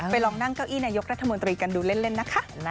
ลองนั่งเก้าอี้นายกรัฐมนตรีกันดูเล่นนะคะ